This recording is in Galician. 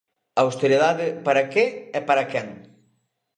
Austeridade para que e para quen?